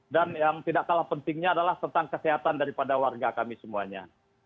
dan yang tidak kalah pentingnya adalah tentang kesehatan daripada warga kami semuanya